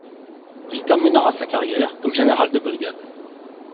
Il terminera sa carrière comme général de brigade.